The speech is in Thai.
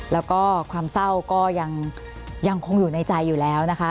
แล้วก็ความเศร้าก็ยังคงอยู่ในใจอยู่แล้วนะคะ